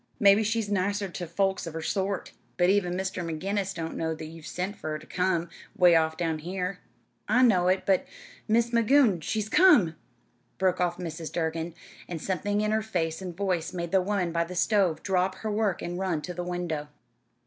"Mebbe she is nice ter folks o' her sort, but even Mr. McGinnis don't know that you've sent fur her ter come 'way off down here." "I know it, but Mis' Magoon, she's come!" broke off Mrs. Durgin; and something in her face and voice made the woman by the stove drop her work and run to the window.